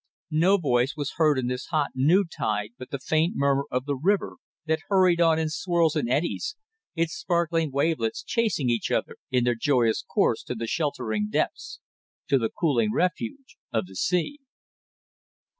No voice was heard in this hot noontide but the faint murmur of the river that hurried on in swirls and eddies, its sparkling wavelets chasing each other in their joyous course to the sheltering depths, to the cool refuge of the sea.